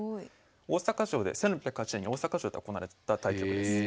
で１６０８年に大阪城で行われた対局です。